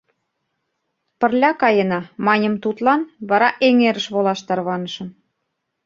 — Пырля каена, — маньым тудлан, вара эҥерыш волаш тарванышым.